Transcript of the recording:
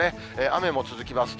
雨も続きます。